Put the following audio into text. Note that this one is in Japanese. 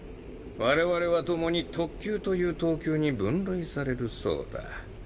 我々はともに特級という等級に分類されるそうだ。